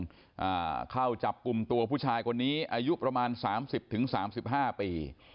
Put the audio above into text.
อ่าเข้าจับกลุ่มตัวผู้ชายคนนี้อายุประมาณสามสิบถึงสามสิบห้าปี